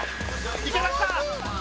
いけました！